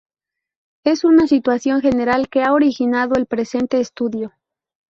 Esa es la situación general que ha originado el presente estudio.